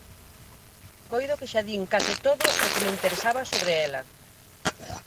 Coido que xa din case todo o que me interesaba sobre ela.